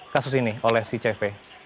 kasus ini oleh si cv